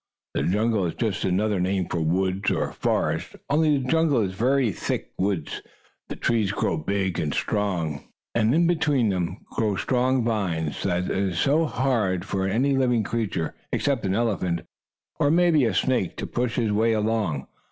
The jungle is just another name for woods, or forest, only the jungle is a very thick woods. The trees grow big and strong, and between them grow strong vines so that it is hard for any living creature except an elephant, or maybe a snake to push his way along.